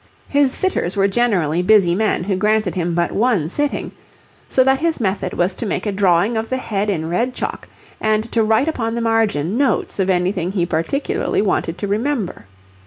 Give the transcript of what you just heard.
His sitters were generally busy men who granted him but one sitting, so that his method was to make a drawing of the head in red chalk and to write upon the margin notes of anything he particularly wanted to remember.